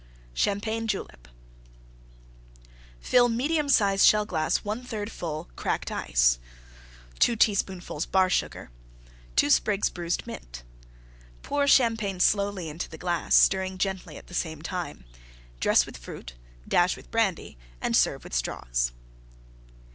CHAMPAGNE JULEP Fill medium size Shell glass 1/3 full Cracked Ice. 2 teaspoonfuls Bar Sugar. 2 sprigs bruised Mint. Pour Champagne slowly into the glass, stirring gently at the same time. Dress with fruit; dash with Brandy and serve with Straws.